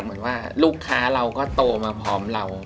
เหมือนว่าลูกค้าเราก็โตมาพร้อมเรา